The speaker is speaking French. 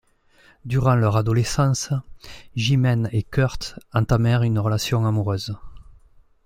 Durant leurs adolescence, Jimaine et Kurt entamèrent une relation amoureuse.